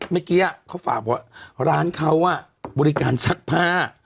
เมื่อกี้เขาฝากว่าร้านเขาบริการซักผ้า